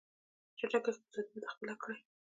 چټکه اقتصادي وده خپله کړي.